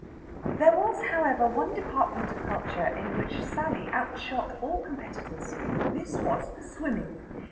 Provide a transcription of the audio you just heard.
There was, however, one department of culture in which Sally outshot all competitors. This was swimming.